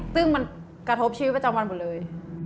ซึ่งมันกระทบชีวิตประจำวันหมดเลย